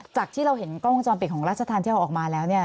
จากที่เราเห็นกล้องวงจอมเปลี่ยงของรัชทานเที่ยวออกมาแล้ว